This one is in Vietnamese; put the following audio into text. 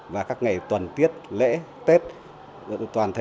và các ngày tuần tiết lễ tết